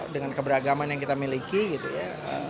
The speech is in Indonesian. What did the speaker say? dengan keberagaman yang kita miliki gitu ya